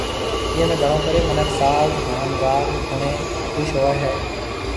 ايئي ۾ گھڻو ڪري منک ساز هان راگ ۿڻي خوش هوئي هي